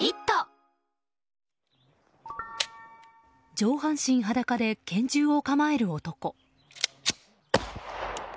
上半身裸で拳銃を構える男。